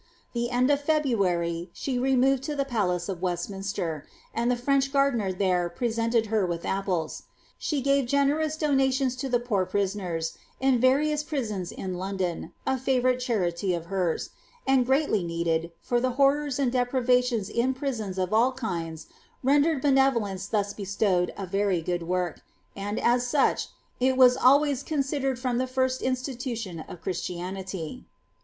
The end of February, she removed to tlie palace of Bstminsteff and the French gardener there presented her wiih apples. D gave generous donations to the poor prisoners, in various prisons in Qdon, a fiivourite charity of hers, and greatly needed, for the horrors d deprivations in prisons of all kinds rendered benevolence thus be »wed a very good work, and as such, it was always considered from i first institution of Christianity.